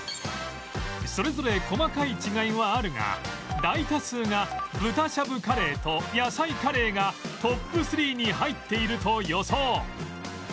それぞれ細かい違いはあるが大多数が豚しゃぶカレーとやさいカレーがトップ３に入っていると予想